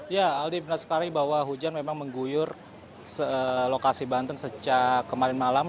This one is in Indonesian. ya aldi benar sekali bahwa hujan memang mengguyur lokasi banten sejak kemarin malam